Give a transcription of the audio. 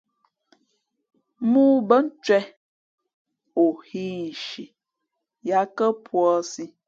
Mōō bά ncwěh, o hᾱ ǐ nshi yāt kά puǎsī.